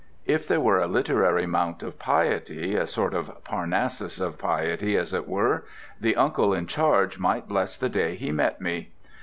If there were a literary mount of piety—a sort of Parnassus of piety as it were—the uncle in charge might bless the day he met me.